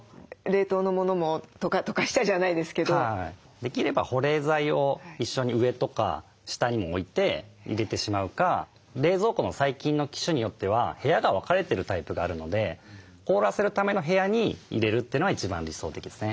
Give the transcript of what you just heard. できれば保冷剤を一緒に上とか下にも置いて入れてしまうか冷蔵庫の最近の機種によっては部屋が分かれてるタイプがあるので凍らせるための部屋に入れるというのが一番理想的ですね。